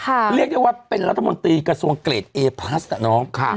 เรียกได้ว่าเป็นรัฐมนตรีกระทรวงเกรดเอพลัสอ่ะน้องค่ะ